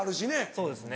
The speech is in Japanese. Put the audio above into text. そうですね。